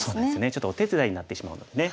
ちょっとお手伝いになってしまうのでね。